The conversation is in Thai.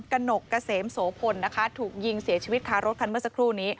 หนกเกษมโสพลนะคะถูกยิงเสียชีวิตคารถคันเมื่อสักครู่นี้